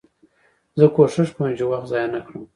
زه کوښښ کوم، چي وخت ضایع نه کړم.